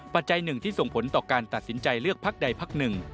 จัยหนึ่งที่ส่งผลต่อการตัดสินใจเลือกพักใดพักหนึ่ง